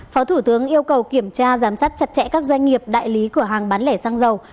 phó thủ tướng yêu cầu kiểm tra giám sát chặt chẽ các doanh nghiệp đại lý cửa hàng bán lẻ xăng dầu